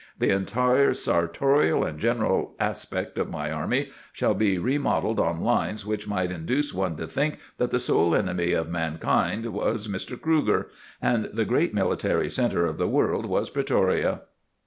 The entire sartorial and general aspect of my army shall be remodelled on lines which might induce one to think that the sole enemy of mankind was Mr. Kruger, and the great military centre of the world was Pretoria."